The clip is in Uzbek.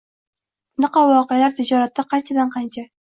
Bunaqa voqealar tijoratda qanchadan-qancha?!